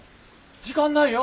時間ないよ。